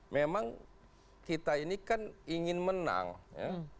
memang kita ini kan ingin menang ya